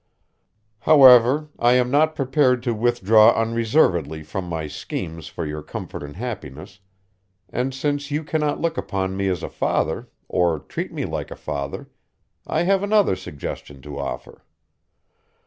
However, I am not prepared to withdraw unreservedly from my schemes for your comfort and happiness, and since you cannot look upon me as a father, or treat me like a father, I have another suggestion to offer.